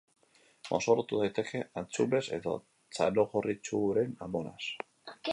Mozorrotu daiteke antxumez edo txanogorritxuren amonaz.